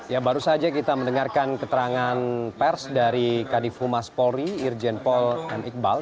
ya baru saja kita mendengarkan keterangan pers dari kadif humas polri irjen pol m iqbal